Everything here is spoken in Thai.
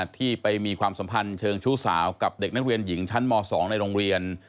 ที่ไปมีความสัมพันธ์เชิงชู้สาวกับเด็กนักเรียนหญิงชั้นม๒ในโรงเรียน